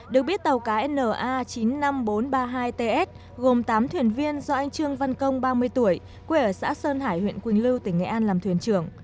được biết tàu cá na chín mươi năm nghìn bốn trăm ba mươi hai ts gồm tám thuyền viên do anh trương văn công ba mươi tuổi quê ở xã sơn hải huyện quỳnh lưu tỉnh nghệ an làm thuyền trưởng